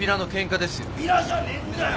チンピラじゃねえんだよ！